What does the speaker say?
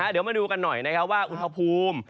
เดี๋ยวมาดูกันหน่อยว่าอุทธภูมิ